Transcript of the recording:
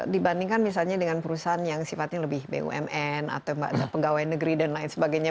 dibandingkan misalnya dengan perusahaan yang sifatnya lebih bumn atau pegawai negeri dan lain sebagainya